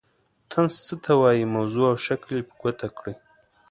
طنز څه ته وايي موضوع او شکل یې په ګوته کړئ.